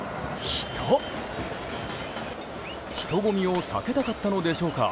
人混みを避けたかったのでしょうか。